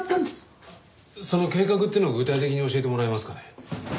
その計画っていうのを具体的に教えてもらえますかね？